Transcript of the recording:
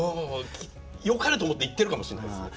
よかれと思って言ってるかもしれないですね。